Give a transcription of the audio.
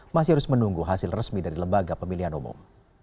masih harus menunggu hasil resmi dari lembaga pemilihan umum